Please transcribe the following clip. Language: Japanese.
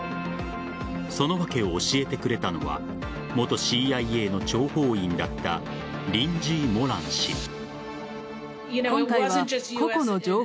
その訳を教えてくれたのは元ＣＩＡの諜報員だったリンジー・モラン氏。